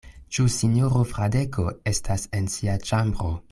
Ĉu sinjoro Fradeko estas en sia ĉambro?